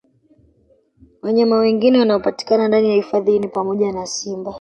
Wanyama wengine wanaopatikana ndani ya hifadhi hii ni pamoja na Simba